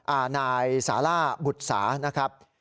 อาห์นายสาล่าบุษานะครับ